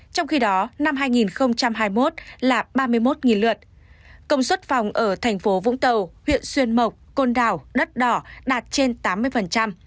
trong khi đó năm hai nghìn hai mươi một là ba mươi một lượt công suất phòng ở thành phố vũng tàu huyện xuyên mộc côn đảo đất đỏ đạt trên tám mươi